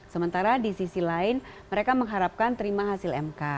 sementara di sisi lain mereka mengharapkan terima hasil mk